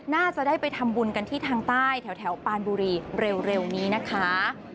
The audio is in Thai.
น่าจะได้ไปทำบุญกันที่ทางใต้แถวปานบุรีเร็วนี้นะคะ